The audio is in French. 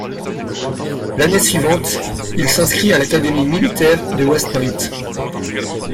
L'année suivante, il s'inscrit à l'académie militaire de West Point.